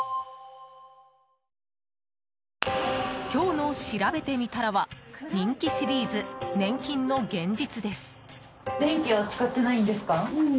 今日のしらべてみたらは人気シリーズ、年金の現実です。